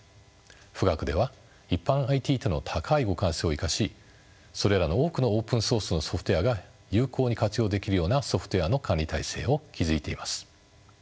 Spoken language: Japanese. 富岳では一般ＩＴとの高い互換性を生かしそれらの多くのオープンソースのソフトウエアが有効に活用できるようなソフトウエアの管理体制を築いています。